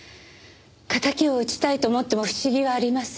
敵を討ちたいと思っても不思議はありません。